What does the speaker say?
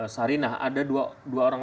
sarinah ada dua orang